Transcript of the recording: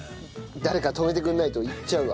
誰か止めてくんないといっちゃうわ。